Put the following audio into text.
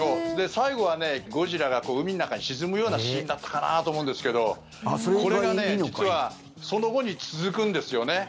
最後はゴジラが海の中に沈むようなシーンだったかなと思うんですけどこれがね、実はその後に続くんですよね。